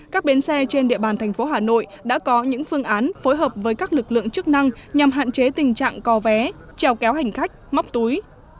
các bến xe trên địa bàn thành phố hà nội đã có những phương án phối hợp với các lực lượng chức năng nhằm hạn chế tình trạng co vé trèo kéo hành khách móc túi